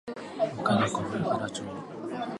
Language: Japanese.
北海道小平町